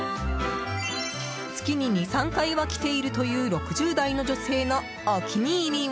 月に２３回は来ているという６０代の女性のお気に入りは。